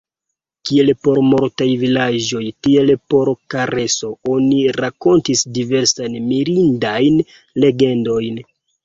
Kiel por multaj vilaĝoj, tiel por Kareso, oni rakontis diversajn mirindajn legendojn.